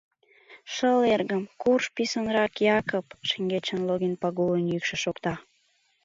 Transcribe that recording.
— Шыл, эргым... курж писынрак, Якып, — шеҥгечын Логин Пагулын йӱкшӧ шокта.